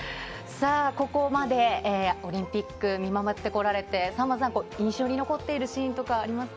ここまでオリンピックを見守ってこられて、さんまさん、印象に残ってるシーンとかありますか？